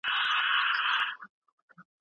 پوهنتون شاګرد ته د نويو کتابونو لیست ورکړ.